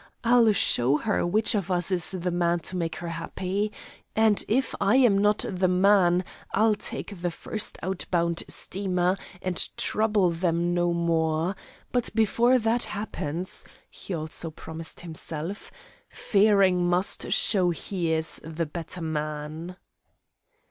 "I'll show her which of us is the man to make her happy. And, if I am not the man, I'll take the first outbound steamer and trouble them no more. But before that happens," he also promised himself, "Fearing must show he is the better man."